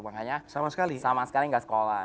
makanya sama sekali gak sekolah